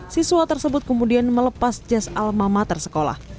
siswa tersebut kemudian melepas jas almama tersekolah